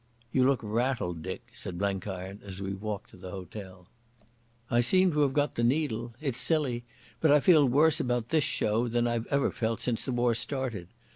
"You look rattled, Dick," said Blenkiron as we walked to the hotel. "I seem to have got the needle. It's silly, but I feel worse about this show than I've ever felt since the war started.